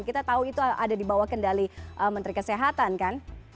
kita tahu itu ada di bawah kendali menteri kesehatan kan